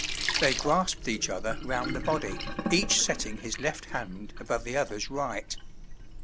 They grasped each other round the body, each setting his left hand above the other's right.